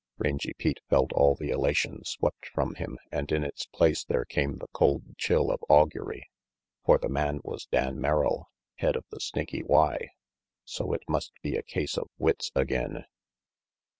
Rangy Pete felt all the elation swept from him and in its place there came the cold chill of augury. For the man was Dan Merrill, head of the Snaky Y. So it must be a case of wits again.